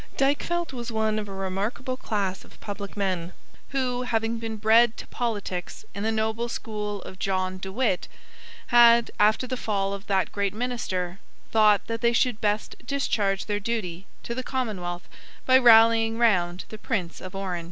Dykvelt was one of a remarkable class of public men who, having been bred to politics in the noble school of John De Witt, had, after the fall of that great minister, thought that they should best discharge their duty to the commonwealth by rallying round the Prince of Orange.